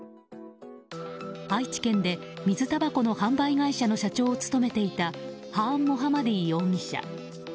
愛知県で水たばこの販売会社の社長を務めていたハーン・モハマディ容疑者。